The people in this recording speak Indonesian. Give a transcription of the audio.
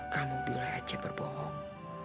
kamu boleh saja berbohong